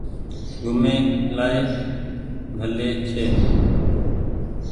گھومي لآ ڀلي ڇي۔